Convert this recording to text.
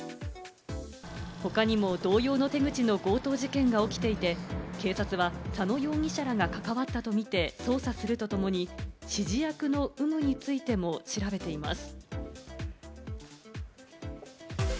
他にも同様の手口の強盗事件が起きていて、警察は佐野容疑者らが関わったとみて捜査するとともに指示役の有無についても調べています。